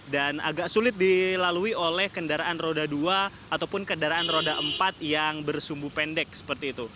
dan agak sulit dilalui oleh kendaraan roda dua ataupun kendaraan roda empat yang bersumbu pendek seperti itu